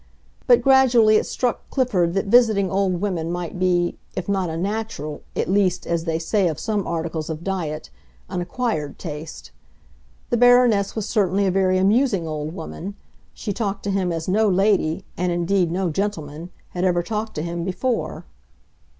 But gradually it struck Clifford that visiting old women might be, if not a natural, at least, as they say of some articles of diet, an acquired taste. The Baroness was certainly a very amusing old woman; she talked to him as no lady—and indeed no gentleman—had ever talked to him before.